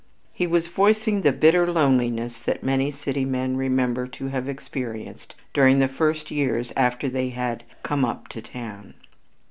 He was voicing the "bitter loneliness" that many city men remember to have experienced during the first years after they had "come up to town."